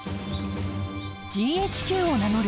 ＧＨＱを名乗る